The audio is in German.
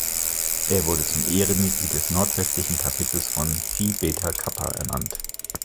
Er wurde zum Ehrenmitglied des nordwestlichen Kapitels von Phi Beta Kappa ernannt.